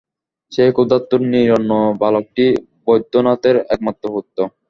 সেই ক্ষুধাতুর নিরন্ন বালকটি বৈদ্যনাথের একমাত্র পুত্র।